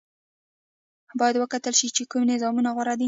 باید وکتل شي چې کوم نظام غوره دی.